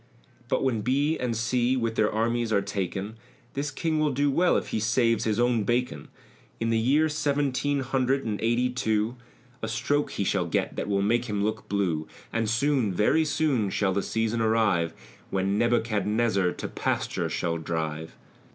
But when B. and C. with their armies are taken This King will do well if he saves his own bacon: In the year Seventeen hundred and eighty and two A stroke he shall get, that will make him look blue; And soon, very soon, shall the season arrive, When Nebuchadnezzar to pasture shall drive.